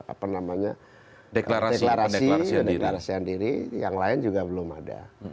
apa namanya deklarasi kedeklarasian diri yang lain juga belum ada